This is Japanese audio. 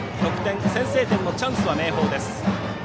先制点のチャンスは明豊です。